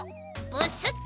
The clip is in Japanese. ブスッと。